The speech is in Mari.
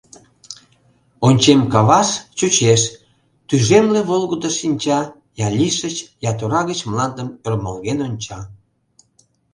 Ончем каваш, чучеш: тӱжемле волгыдо шинча Я лишыч, я тора гыч Мландым ӧрмалген онча.